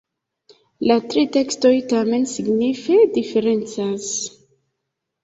La tri tekstoj tamen signife diferencas.